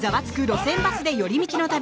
路線バスで寄り道の旅」